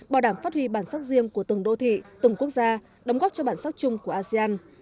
bảo đảm phát huy bản sắc riêng của từng đô thị từng quốc gia đóng góp cho bản sắc chung của asean